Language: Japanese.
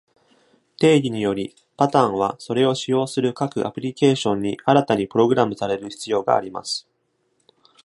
定義により、パターンはそれを使用する各アプロケーションに新たにプログラムされる必要があります。